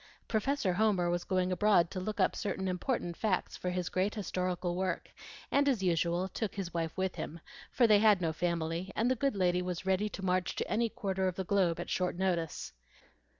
Professor Homer was going abroad to look up certain important facts for his great historical work, and as usual took his wife with him; for they had no family, and the good lady was ready to march to any quarter of the globe at short notice.